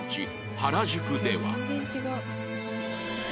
原宿では